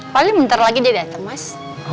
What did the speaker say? paling bentar lagi dia datang mas